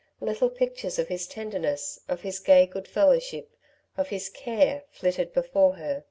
Little pictures of his tenderness, of his gay good fellowship, of his care, flitted before her.